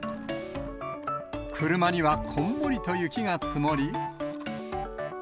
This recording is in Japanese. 車にはこんもりと雪が積もり。